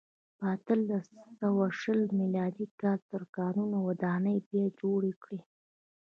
په اتلس سوه شلم میلادي کال ترکانو ودانۍ بیا جوړه کړه.